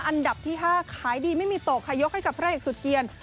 อันดับที่๕ขายดีไม่มีตกค่ะยกให้กับพระเอกสุดเกียร